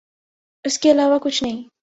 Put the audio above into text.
اس کے علاوہ کچھ نہیں۔